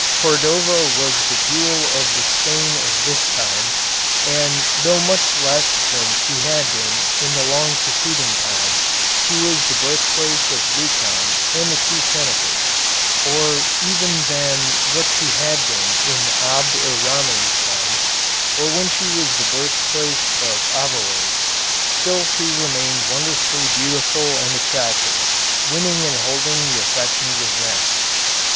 Cordova was the jewel of the Spain of this time, and though much less than she had been in the long preceding time, when she was the birthplace of Lucan and the two Senecas, or even than what she had been in Abd er Rahman's days, or when she was the birthplace of Averroës, still she remained wonderfully beautiful and attractive, winning and holding the affections of men.